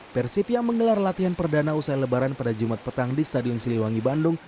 persib yang menggelar latihan perdana usai lebaran pada jumat petang di stadion siliwangi bandung